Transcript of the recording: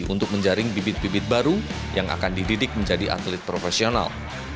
untuk menjaring bibit bibit baru yang akan dididik menjadi atlet profesional